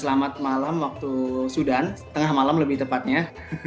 selamat malam waktu sudan setengah malam lebih tepatnya